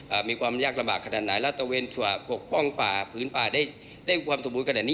มีความยากลำบากขนาดไหนแล้วตะเวนชั่วปกป้องป่าพื้นป่าได้ได้ความสมบูรณ์ขนาดนี้